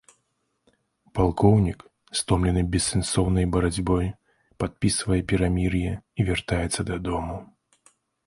Палкоўнік, стомлены бессэнсоўнай барацьбой, падпісвае перамір'е і вяртаецца дадому.